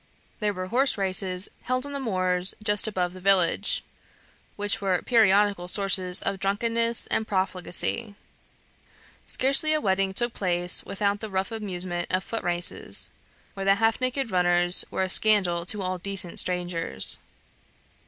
There were horse races held on the moors just above the village, which were periodical sources of drunkenness and profligacy. Scarcely a wedding took place without the rough amusement of foot races, where the half naked runners were a scandal to all decent strangers.